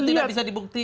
itu tidak bisa dibuktikan